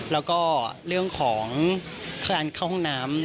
แล้วก็เรื่องของการเข้าห้องน้ำ